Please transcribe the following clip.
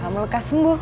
ya makasih mbak